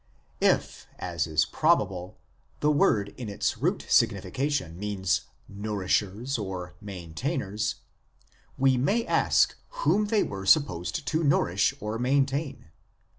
If, as is probable, the word in its root signification means " nourishers " or " maintainers," we may ask whom they were supposed to nourish or maintain.